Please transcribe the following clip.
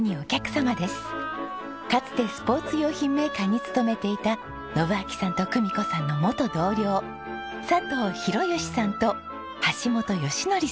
かつてスポーツ用品メーカーに勤めていた信秋さんと久美子さんの元同僚佐藤広義さんと橋本祥徳さんです。